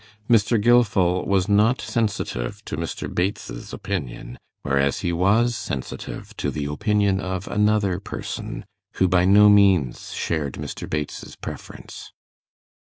Mr. Gilfil was not sensitive to Mr. Bates's opinion, whereas he was sensitive to the opinion of another person, who by no means shared Mr. Bates's preference.